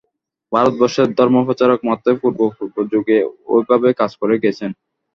ভারতবর্ষের ধর্মপ্রচারক মাত্রই পূর্ব পূর্ব যুগে ঐভাবে কাজ করে গেছেন।